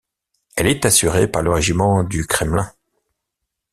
Elle est assurée par le régiment du Kremlin.